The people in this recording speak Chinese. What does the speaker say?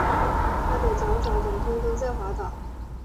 它的脚爪整天都在滑倒